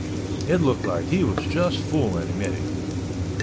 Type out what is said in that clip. It looked like he was just fooling me.